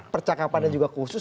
percakapannya juga khusus